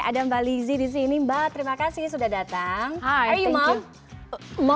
ada mbak lizzie di sini mbak terima kasih sudah datang